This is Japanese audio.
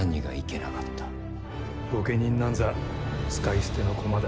御家人なんざ使い捨ての駒だ。